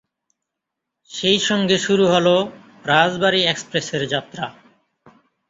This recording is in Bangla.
সেই সঙ্গে শুরু হলো রাজবাড়ী এক্সপ্রেসের যাত্রা।